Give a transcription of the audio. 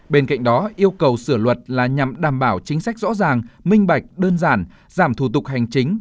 bên cạnh đó yêu cầu sửa luật là nhằm đảm bảo chính sách rõ ràng minh bạch đơn giản giảm thủ tục hành chính